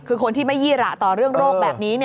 คือคนที่ไม่ยี่ระต่อเรื่องโรคแบบนี้